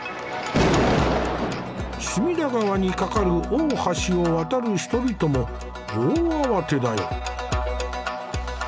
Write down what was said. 隅田川に架かる大橋を渡る人々も大慌てだよ。